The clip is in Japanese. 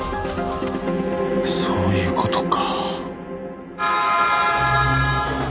そういう事か。